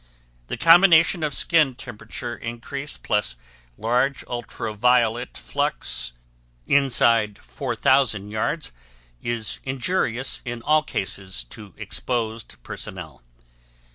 The combination of skin temperature increase plus large ultra violet flux inside 4,000 yards is injurious in all cases to exposed personnel.